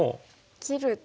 切ると。